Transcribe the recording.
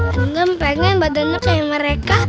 cuma pengen badannya kayak mereka